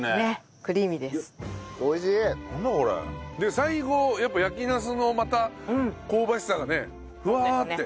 最後やっぱ焼きナスのまた香ばしさがねふわって。